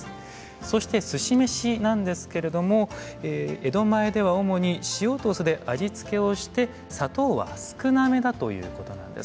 そしてすし飯なんですけれども江戸前では主に塩と酢で味付けをして砂糖は少なめだということなんです。